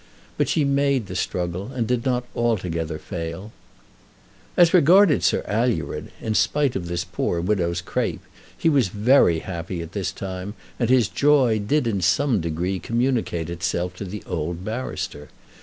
But she made the struggle, and did not altogether fail. As regarded Sir Alured, in spite of this poor widow's crape, he was very happy at this time, and his joy did in some degree communicate itself to the old barrister.